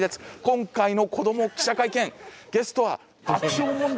今回の「子ども記者会見」ゲストは爆笑問題の。